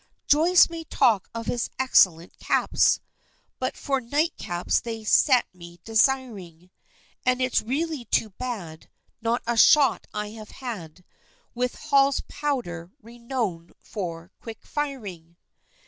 Joyce may talk of his excellent caps, But for nightcaps they set me desiring, And it's really too bad, Not a shot I have had With Hall's Powder renown'd for "quick firing."